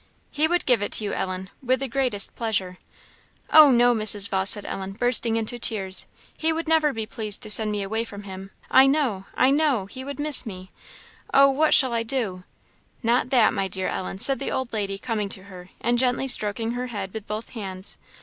"He would give it you, Ellen, with the greatest pleasure." "Oh, no, Mrs. Vawse!" said Ellen, bursting into tears; "he would never be pleased to send me away from him! I know I know he would miss me. Oh, what shall I do?" "Not that, my dear Ellen," said the old lady, coming to her, and gently stroking her head with both hands.